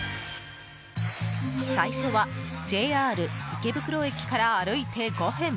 最初はＪＲ池袋駅から歩いて５分。